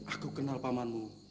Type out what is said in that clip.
aku kenal pak manmu